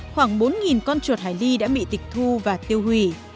khoảng bốn con chuột hải ly đã bị tịch thu và tiêu hủy